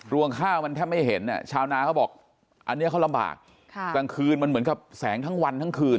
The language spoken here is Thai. วงข้าวมันแทบไม่เห็นชาวนาเขาบอกอันนี้เขาลำบากกลางคืนมันเหมือนกับแสงทั้งวันทั้งคืน